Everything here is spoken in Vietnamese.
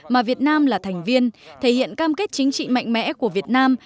mà việt nam là thành viên thể hiện cam kết chính trị mạnh mẽ của việt nam